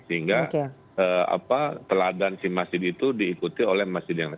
sehingga teladan si masjid itu diikuti oleh masjid yang lain